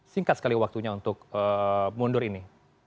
singkat sekali waktunya untuk mundur ini